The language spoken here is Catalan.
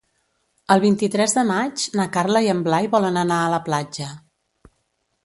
El vint-i-tres de maig na Carla i en Blai volen anar a la platja.